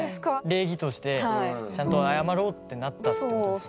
礼儀としてちゃんと謝ろうってなったってことですよね？